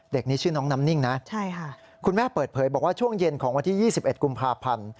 เด็กนี้ชื่อน้องน้ำนิ่งนะคุณแม่เปิดเผยบอกว่าช่วงเย็นของวันที่๒๑กุมภาพันธ์